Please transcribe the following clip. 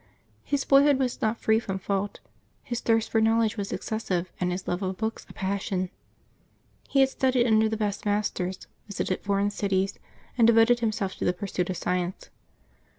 His boyhood was not free from fault. His thirst for knowledge was excessive, and his love of books a passion. He had studied under the best mas ters, visited foreign cities, and devoted himself to the pursuit of science.